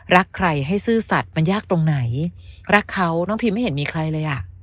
รักใครให้ซื่อสัตว์มันยากตรงไหนรักเขาน้องพิมไม่เห็นมีใครเลยอ่ะ